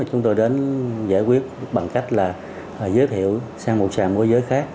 chúng tôi đến giải quyết bằng cách là giới thiệu sang một sàn môi giới khác